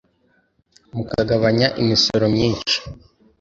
mukagabanya imisoro myimshi